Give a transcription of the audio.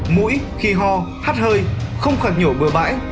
mũi khi ho hắt hơi không khạt nhổ bừa bãi